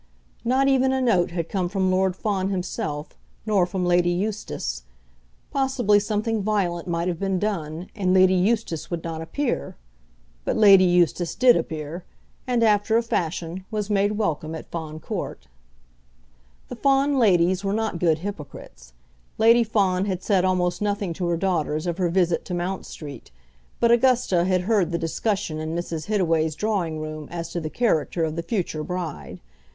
Not even a note had come from Lord Fawn himself, nor from Lady Eustace. Possibly something violent might have been done, and Lady Eustace would not appear. But Lady Eustace did appear, and, after a fashion, was made welcome at Fawn Court. The Fawn ladies were not good hypocrites. Lady Fawn had said almost nothing to her daughters of her visit to Mount Street, but Augusta had heard the discussion in Mrs. Hittaway's drawing room as to the character of the future bride.